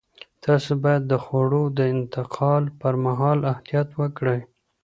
تاسو باید د خوړو د انتقال پر مهال احتیاط وکړئ.